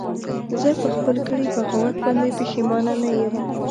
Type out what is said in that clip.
زه په خپل کړي بغاوت باندې پښیمانه نه یم